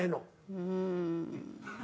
うん。